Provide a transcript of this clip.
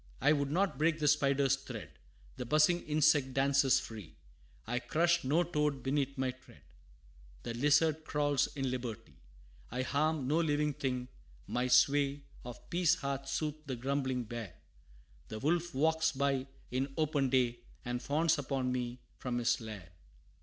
I would not break the spider's thread, The buzzing insect dances free; I crush no toad beneath my tread, The lizard crawls in liberty! I harm no living thing; my sway Of peace hath soothed the grumbling bear, The wolf walks by in open day, And fawns upon me from his lair.